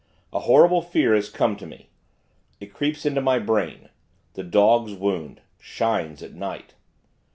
A horrible fear has come to me. It creeps into my brain the dog's wound, shines at night.